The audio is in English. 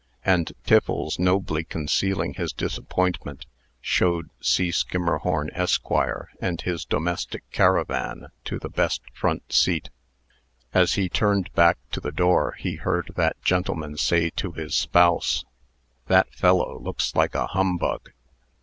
And Tiffles, nobly concealing his disappointment, showed C. Skimmerhorn, Esq., and his domestic caravan to the best front seat. As he turned back to the door, he heard that gentleman say to his spouse, "That fellow looks like a humbug."